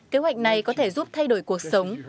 kế hoạch này có thể giúp thay đổi cuộc sống